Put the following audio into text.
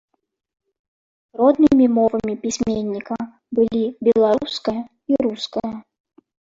Роднымі мовамі пісьменніка былі беларуская і руская.